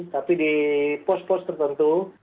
tapi di pos pos tertentu